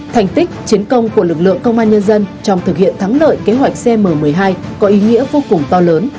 thành tích chiến công của lực lượng công an nhân dân trong thực hiện thắng lợi kế hoạch cm một mươi hai có ý nghĩa vô cùng to lớn